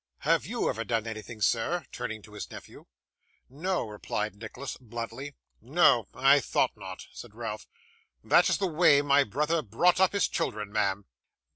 Have YOU ever done anything, sir?' (turning to his nephew.) 'No,' replied Nicholas, bluntly. 'No, I thought not!' said Ralph. 'This is the way my brother brought up his children, ma'am.